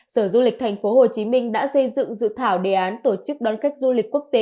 sở du lịch tp hcm đã xây dựng dự thảo đề án tổ chức đón khách du lịch quốc tế